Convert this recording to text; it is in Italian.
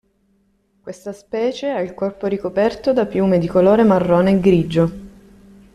Questa specie ha il corpo ricoperto da piume di colore marrone e grigio.